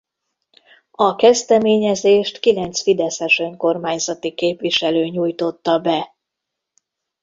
A kezdeményezést kilenc fideszes önkormányzati képviselő nyújtotta be.